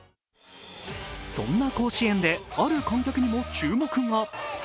そんな甲子園である観客にも注目が。